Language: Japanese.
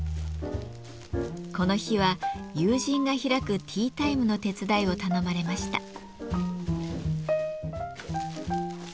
この日は友人が開くティータイムの手伝いを頼まれました。